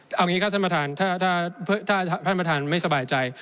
เอาอย่างนี้ครับท่านประธานถ้าท่านประธานไม่สบายใจ